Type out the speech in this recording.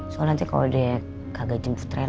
soalnya nanti kalau dia gak jemput reina